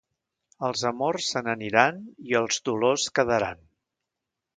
Els amors se n'aniran i els dolors quedaran.